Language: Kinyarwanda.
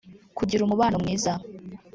kugira umubano mwiza